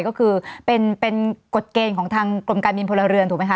ก็คือเป็นกฎเกณฑ์ของทางกรมการบินพลเรือนถูกไหมค